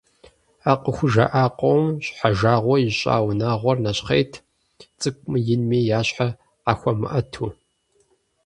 А къыхужаӀэ къомым щхьэжагъуэ ищӀа унагъуэр нэщхъейт, цӀыкӀуми инми я щхьэр къахуэмыӀэту.